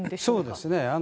そうですね。